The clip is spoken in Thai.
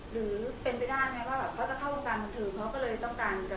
หรือเป็นไปได้ไหมว่าเขาจะเข้าวงการบันเทิงเขาก็เลยต้องการจะ